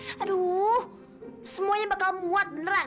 aduh semuanya bakal muat beneran